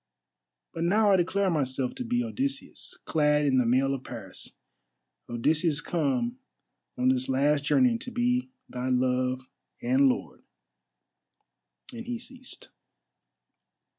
But now I declare myself to be Odysseus, clad in the mail of Paris—Odysseus come on this last journey to be thy love and lord." And he ceased.